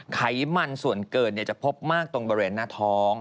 ไขมันส่วนเกินจะพบมากตรงบริเวณหน้าท้อง